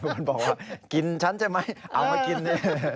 มันบอกว่ากินฉันใช่ไหมเอามากินนี่